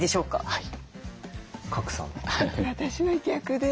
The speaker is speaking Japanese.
はい。